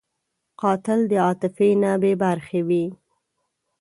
قاتل د عاطفې نه بېبرخې وي